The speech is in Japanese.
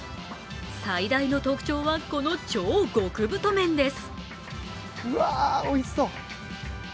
最大の特徴はこの超極太麺です。